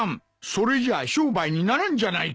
それじゃ商売にならんじゃないか。